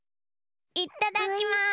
いっただきます！